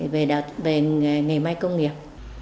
về nghề may công nghiệp